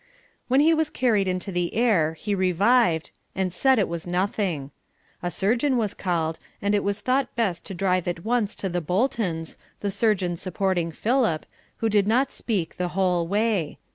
When he was carried into the air he revived, and said it was nothing. A surgeon was called, and it was thought best to drive at once to the Bolton's, the surgeon supporting Philip, who did not speak the whole way.